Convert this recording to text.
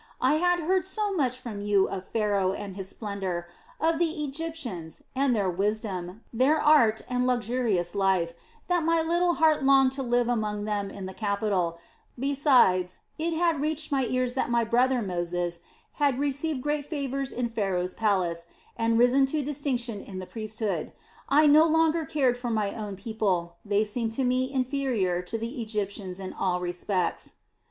I had heard so much from you of Pharaoh and his splendor, of the Egyptians, and their wisdom, their art, and luxurious life, that my little heart longed to live among them in the capital; besides, it had reached my ears that my brother Moses had received great favors in Pharaoh's palace and risen to distinction in the priesthood. I no longer cared for our own people; they seemed to me inferior to the Egyptians in all respects.